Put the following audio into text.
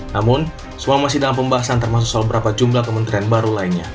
namun semua masih dalam pembahasan termasuk soal berapa jumlah kementerian baru lainnya